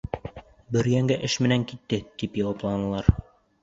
— Бөрйәнгә эш менән китте, — тип яуапланылар.